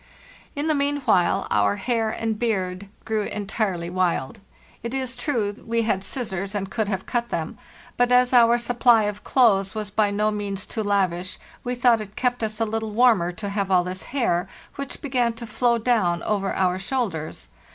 In the meanwhile our hair and beard grew entirely wild. It is true we had scissors and could have cut them; but as our supply of clothes was by no means too lavish, we thought it kept us a little warmer to have all this hair, which began to flow down over our shoulders.